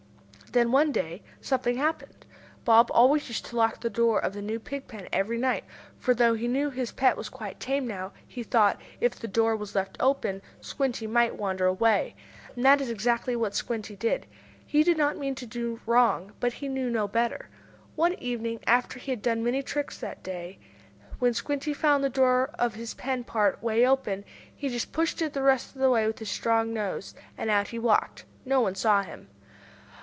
Then one day something happened. Bob always used to lock the door of the new pig pen every night, for, though he knew his pet was quite tame now, he thought, if the door were left open, Squinty might wander away. And that is exactly what Squinty did. He did not mean to do wrong, but he knew no better. One evening, after he had done many tricks that day, when Squinty found the door of his pen part way open, he just pushed it the rest of the way with his strong nose, and out he walked! No one saw him.